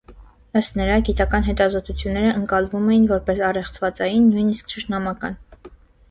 Ըստ նրա, գիտական հետազոտությունները ընկալվում էին որպես «առեղծվածային, նույնիսկ թշնամական»։